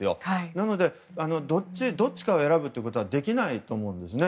なので、どっちかを選ぶことはできないと思うんですね。